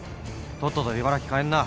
とっとと茨城帰んな。